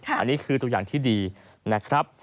อันนี้คือตัวอย่างที่ดีนะครับ